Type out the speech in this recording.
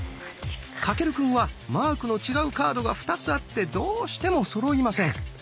翔くんはマークの違うカードが２つあってどうしてもそろいません。